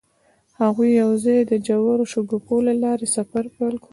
هغوی یوځای د ژور شګوفه له لارې سفر پیل کړ.